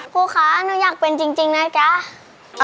ครูคะหนูอยากเป็นจริงนะจ๊ะ